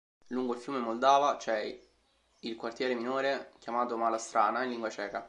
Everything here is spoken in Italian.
Lungo il fiume Moldava c'è il Quartiere Minore, chiamato "Malá Strana" in lingua ceca.